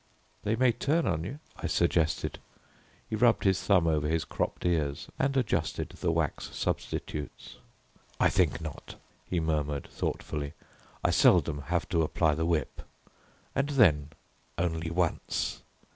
"They may turn on you," I suggested. He rubbed his thumb over his cropped ears, and adjusted the wax substitutes. "I think not," he murmured thoughtfully, "I seldom have to apply the whip, and then only once.